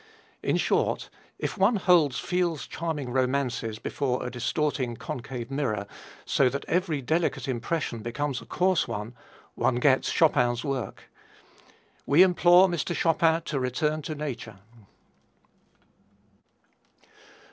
In short, if one holds Field's charming romances before a distorting, concave mirror, so that every delicate impression becomes a coarse one, one gets Chopin's work. We implore Mr. Chopin to return to nature."